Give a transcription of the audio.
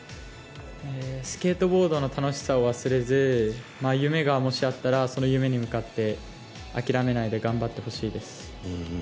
スケートボードの楽しさを忘れず夢がもしあったらその夢に向かって諦めないで頑張ってほしいです。